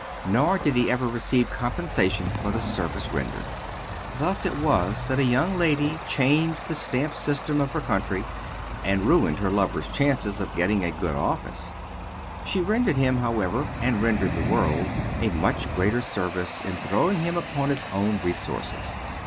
Nor did he ever receive compensation for the service rendered. Thus it was that a young lady changed the stamp system of her country, and ruined her lover's chances of getting a good office. She rendered him, however, and rendered the world, a much greater service in throwing him upon his own resources.